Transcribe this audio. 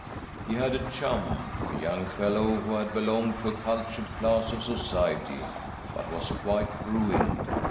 He had a chum, a young fellow who had belonged to a cultured class of society, but was quite ruined.